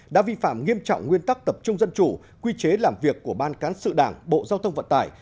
đã vi phạm nghiêm trọng nguyên tắc tập trung dân chủ quy chế làm việc của ban cán sự đảng bộ giao thông vận tải